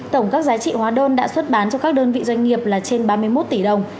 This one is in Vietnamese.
tổng các giá trị hóa đơn đã xuất bán cho các đơn vị doanh nghiệp là trên ba mươi một tỷ đồng